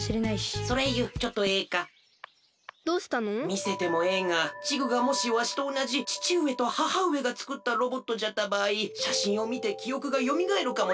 みせてもええがチグがもしわしとおなじちちうえとははうえがつくったロボットじゃったばあいしゃしんをみてきおくがよみがえるかもしれん。